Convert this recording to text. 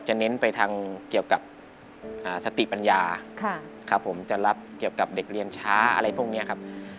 เน้นไปทางเกี่ยวกับสติปัญญาครับผมจะรับเกี่ยวกับเด็กเรียนช้าอะไรพวกนี้ครับ